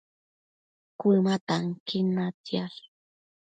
Cuëma tanquin natsiash